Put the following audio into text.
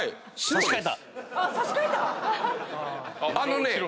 あのね